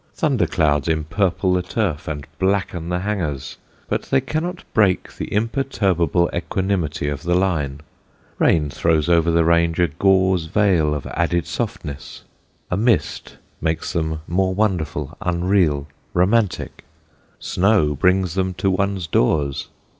Thunder clouds empurple the turf and blacken the hangers, but they cannot break the imperturbable equanimity of the line; rain throws over the range a gauze veil of added softness; a mist makes them more wonderful, unreal, romantic; snow brings them to one's doors.